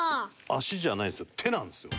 足じゃないんですよ。